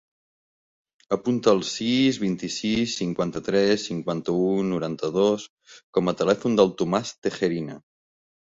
Apunta el sis, vint-i-sis, cinquanta-tres, cinquanta-u, noranta-dos com a telèfon del Tomàs Tejerina.